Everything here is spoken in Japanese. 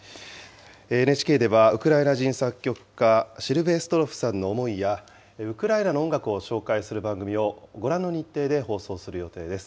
ＮＨＫではウクライナ人作曲家、シルヴェストロフさんの思いや、ウクライナの音楽を紹介する番組をご覧の日程で放送する予定です。